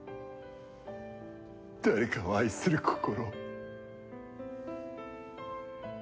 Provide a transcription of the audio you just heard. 誰かを愛する心を。